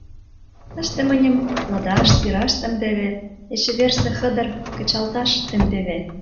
Тӹшты мӹньым лӹдаш, сираш тымдевы, эче вырсы хӓдыр кычылташ тымдевы.